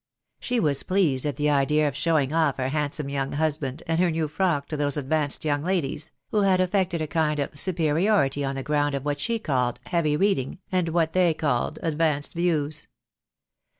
59 She was pleased at the idea of showing off her hand some young husband and her new frock to those advanced young ladies, who had affected a kind of superiority on the ground of what she called "heavy reading," and what they called advanced views.